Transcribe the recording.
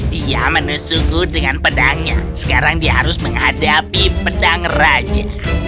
dia menusuku dengan pedangnya sekarang dia harus menghadapi pedang raja